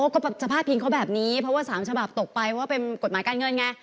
อ๋อก็จะภาพิงเขาแบบนี้เพราะศาลเฉบาบตกไปว่าเป็นกฎหมายการเงินเนี่ย